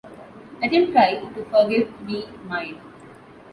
Let him try to forgive me mine!